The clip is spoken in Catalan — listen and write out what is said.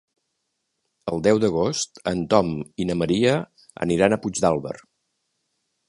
El deu d'agost en Tom i na Maria aniran a Puigdàlber.